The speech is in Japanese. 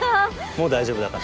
もう大丈夫だから。